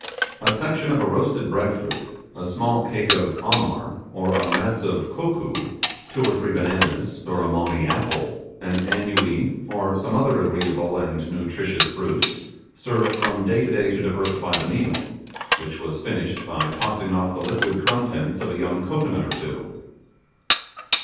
A section of a roasted bread fruit, a small cake of 'Amar', or a mess of 'Cokoo,' two or three bananas, or a mammee apple; an annuee, or some other agreeable and nutritious fruit served from day to day to diversify the meal, which was finished by tossing off the liquid contents of a young cocoanut or two.